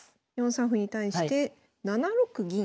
４三歩に対して７六銀。